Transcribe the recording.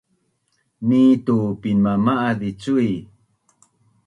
Ni tu pinmama’az zi cui